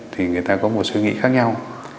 thì người ta có một suy nghĩ khác nhau